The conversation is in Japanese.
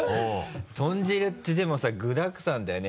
豚汁ってでもさ具だくさんだよね。